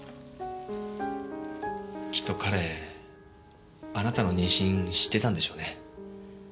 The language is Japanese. きっと彼あなたの妊娠知ってたんでしょうね。